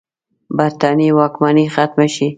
برټانیې واکمني ختمه شي.